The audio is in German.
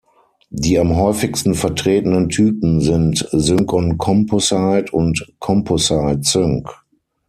Die am häufigsten vertretenen Typen sind „Sync on Composite“ und „Composite Sync“.